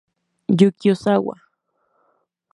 Yuki Ozawa